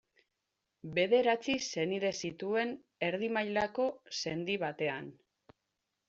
Bederatzi senide zituen erdi mailako sendi batean.